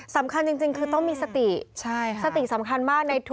สำคัญจริงคือต้องมีสติสติสำคัญมากในทุก